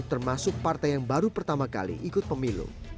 termasuk partai yang baru pertama kali ikut pemilu